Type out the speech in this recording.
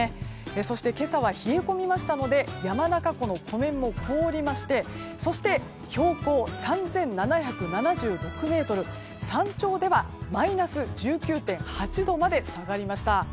そして今朝は冷え込みましたので山中湖の湖面も凍りましてそして標高３７７６ｍ山頂ではマイナス１９．８度まで下がりました。